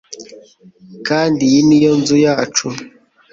kandi iyi ni yo nzu yacu